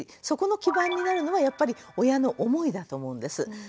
そこの基盤になるのはやっぱり親の思いだと思うんです。